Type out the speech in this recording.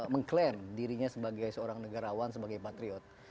mengklaim dirinya sebagai seorang negarawan sebagai patriot